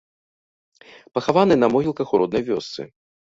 Пахаваны на могілках у роднай вёсцы.